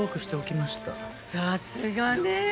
さすがね！